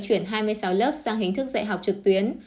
chuyển hai mươi sáu lớp sang hình thức dạy học trực tuyến